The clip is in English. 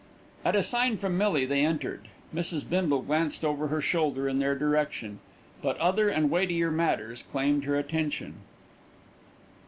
At a sign from Millie, they entered. Mrs. Bindle glanced over her shoulder in their direction; but other and weightier matters claimed her attention.